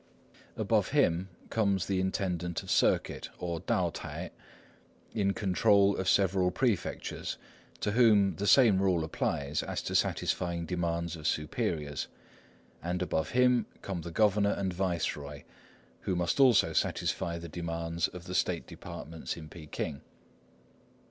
Above him comes the intendant of circuit, or Tao t'ai, in control of several prefectures, to whom the same rule applies as to satisfying demands of superiors; and above him come the governor and viceroy, who must also satisfy the demands of the state departments in Peking.